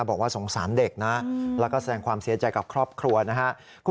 บอกว่าสงสารเด็กนะแล้วก็แสดงความเสียใจกับครอบครัวนะครับ